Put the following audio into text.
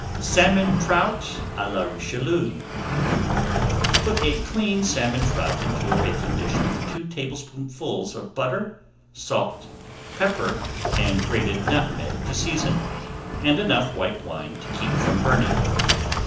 SALMON TROUT À LA RICHELIEU Put a cleaned salmon trout into a baking dish, [Page 311] with two tablespoonfuls of butter, salt, pepper, and grated nutmeg to season, and enough white wine to keep from burning.